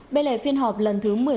bên lề phiên họp lần thứ một mươi một